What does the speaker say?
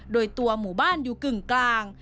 โดยตัวหมู่บ้านอยู่กึ่งกลาง